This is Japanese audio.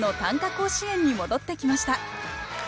甲子園に戻ってきました。